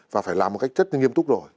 và phải làm một cách rất nghiêm túc rồi